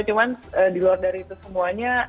cuman diluar dari itu semuanya